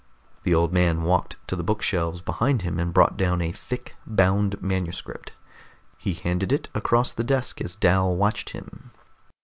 The old man walked to the bookshelves behind him and brought down a thick, bound manuscript. He handed it across the desk as Dal watched him.